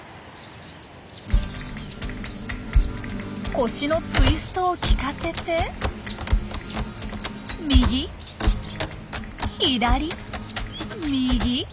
腰のツイストを利かせて右左右。